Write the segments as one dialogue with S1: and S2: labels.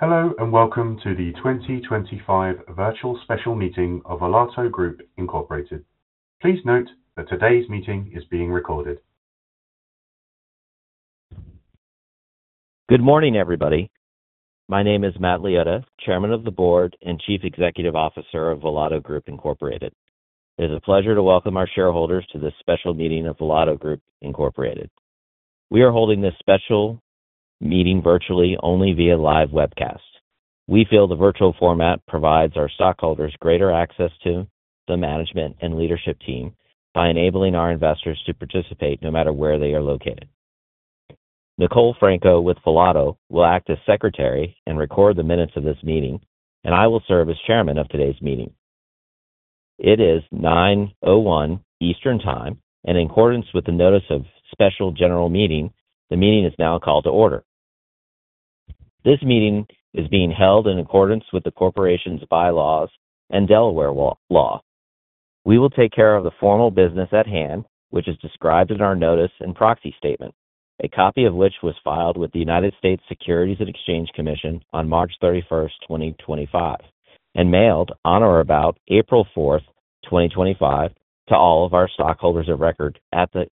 S1: Hello and welcome to the 2025 Virtual Special Meeting of Volato Group. Please note that today's meeting is being recorded.
S2: Good morning, everybody. My name is Matt Liotta, Chairman of the Board and Chief Executive Officer of Volato Group. It is a pleasure to welcome our shareholders to this special meeting of Volato Group. We are holding this special meeting virtually only via live webcast. We feel the virtual format provides our stockholders greater access to the management and leadership team by enabling our investors to participate no matter where they are located. Nicole Franco with Volato will act as Secretary and record the minutes of this meeting, and I will serve as Chairman of today's meeting. It is 9:01 A.M. Eastern Time, and in accordance with the Notice of Special General Meeting, the meeting is now called to order. This meeting is being held in accordance with the corporation's bylaws and Delaware law. We will take care of the formal business at hand, which is described in our notice and proxy statement, a copy of which was filed with the SEC on March 31, 2025, and mailed on or about April 4, 2025, to all of our stockholders of record at the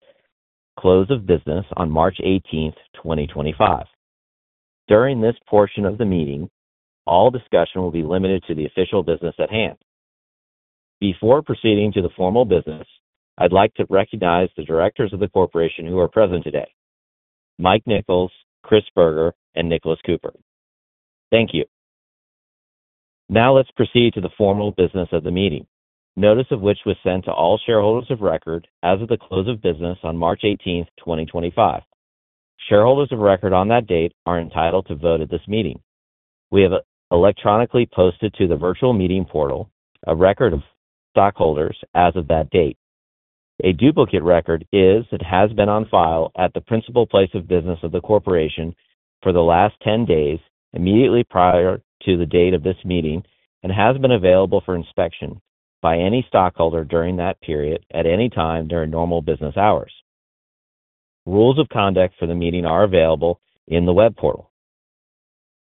S2: close of business on March 18, 2025. During this portion of the meeting, all discussion will be limited to the official business at hand. Before proceeding to the formal business, I'd like to recognize the directors of the Corporation who are present today: Mike Nichols, Chris Berger, and Nicholas Cooper. Thank you. Now let's proceed to the formal business of the meeting, notice of which was sent to all shareholders of record as of the close of business on March 18, 2025. Shareholders of record on that date are entitled to vote at this meeting. We have electronically posted to the virtual meeting portal a record of stockholders as of that date. A duplicate record is and has been on file at the principal place of business of the Corporation for the last 10 days immediately prior to the date of this meeting and has been available for inspection by any stockholder during that period at any time during normal business hours. Rules of conduct for the meeting are available in the web portal.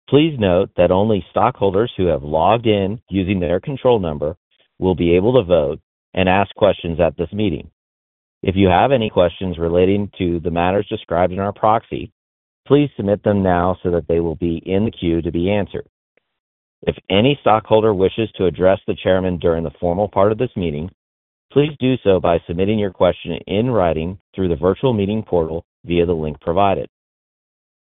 S2: Please note that only stockholders who have logged in using their control number will be able to vote and ask questions at this meeting. If you have any questions relating to the matters described in our proxy, please submit them now so that they will be in the queue to be answered. If any stockholder wishes to address the Chairman during the formal part of this meeting, please do so by submitting your question in writing through the virtual meeting portal via the link provided.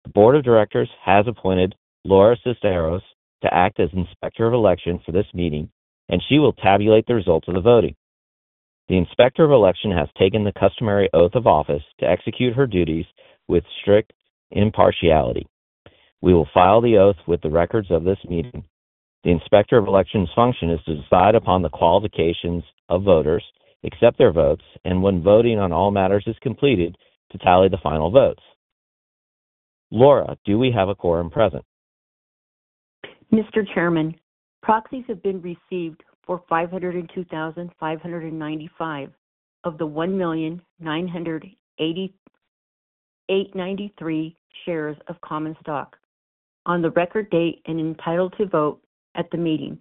S2: The Board of Directors has appointed Laura Cisneros to act as Inspector of Election for this meeting, and she will tabulate the results of the voting. The Inspector of Election has taken the customary oath of office to execute her duties with strict impartiality. We will file the oath with the records of this meeting. The Inspector of Election's function is to decide upon the qualifications of voters, accept their votes, and when voting on all matters is completed, to tally the final votes. Laura, do we have a quorum present?
S3: Mr. Chairman, proxies have been received for 502,595 of the 1,988,930 shares of common stock on the record date and entitled to vote at the meeting,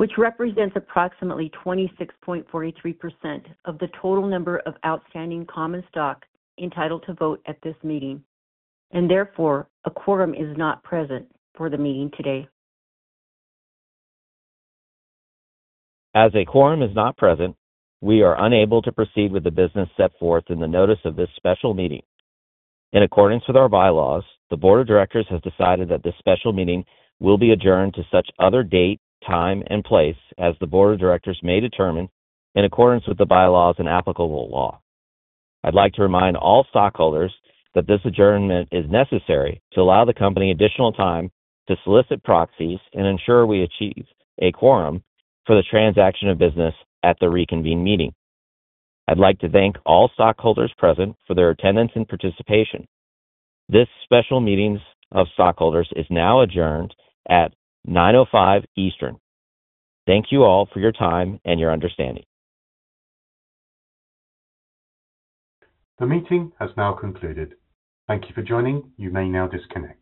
S3: which represents approximately 26.43% of the total number of outstanding common stock entitled to vote at this meeting. Therefore, a quorum is not present for the meeting today.
S2: As a quorum is not present, we are unable to proceed with the business set forth in the notice of this special meeting. In accordance with our bylaws, the Board of Directors has decided that this special meeting will be adjourned to such other date, time, and place as the Board of Directors may determine in accordance with the bylaws and applicable law. I'd like to remind all stockholders that this adjournment is necessary to allow the company additional time to solicit proxies and ensure we achieve a quorum for the transaction of business at the reconvened meeting. I'd like to thank all stockholders present for their attendance and participation. This special meeting of stockholders is now adjourned at 9:05 A.M. Eastern. Thank you all for your time and your understanding.
S1: The meeting has now concluded. Thank you for joining. You may now disconnect.